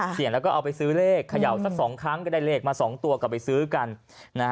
เสี่ยงแล้วก็เอาไปซื้อเลขขยัวสัก๒ครั้งก็ได้เลขมา๒ตัวกลับไปซื้อกัน